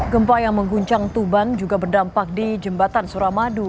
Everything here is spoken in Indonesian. gempa yang mengguncang tuban juga berdampak di jembatan suramadu